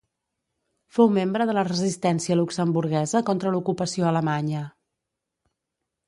Fou membre de la Resistència luxemburguesa contra l'ocupació alemanya.